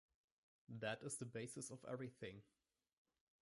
That is the basis of everything.